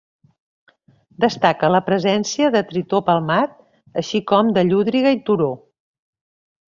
Destaca la presència de tritó palmat, així com de llúdriga i turó.